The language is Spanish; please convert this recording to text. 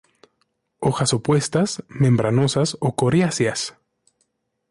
Hojas opuestas, membranosas a coriáceas.